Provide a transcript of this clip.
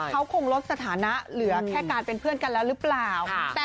เขาคงลดสถานะเหลือแค่การเป็นเพื่อนกันแล้วหรือเปล่า